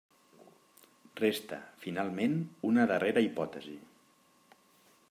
Resta, finalment, una darrera hipòtesi.